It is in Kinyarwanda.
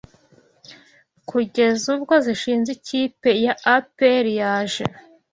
kugeza ubwo zishinze ikipe ya Aperi yaje